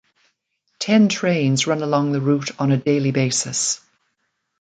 Ten trains run along the route on a daily basis.